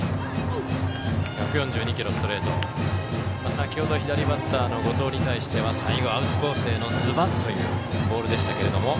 先ほど、左バッターの後藤に対しては最後、アウトコースへのズバッといくボールでしたけど。